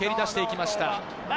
蹴り出していきました。